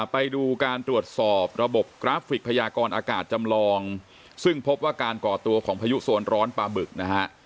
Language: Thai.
ไปดูการตรวจสอบระบบกราฟิกพยากรอากาศจำลองซึ่งพบว่าการก่อตัวของพายุโซนร้อนปลาบึกนะฮะ